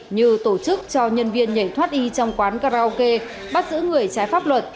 như tổ chức cho nhân viên nhảy thoát y trong quán karaoke bắt giữ người trái pháp luật